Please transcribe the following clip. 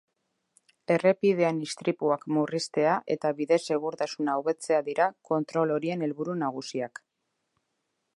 Errepidean istripuak murriztea eta bide-segurtasuna hobetzea dira kontrol horien helburu nagusiak.